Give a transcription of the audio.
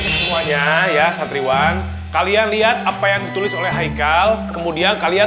semuanya ya santriwan kalian lihat apa yang ditulis oleh haikal kemudian kalian